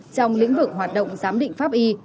trong lĩnh vực hoạt động giám định pháp y